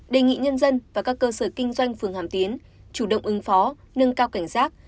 đề nghị nhân dân và các cơ sở kinh doanh phường hàm tiến chủ động ứng phó nâng cao cảnh giác